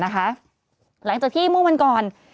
หลังจากที่มุมกอล